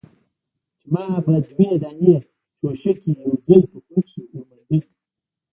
چې ما به دوې دانې چوشکې يوځايي په خوله کښې ورمنډلې.